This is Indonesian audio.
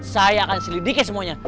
saya akan selidiki semuanya